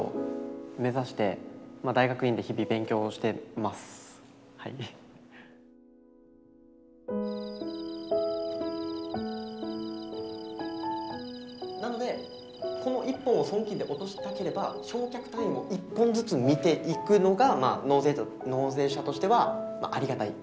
今はなのでこの１本を損金で落としたければ償却単位を１本ずつ見ていくのが納税者としてはありがたい。